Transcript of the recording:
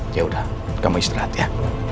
yaudah kamu istirahat ya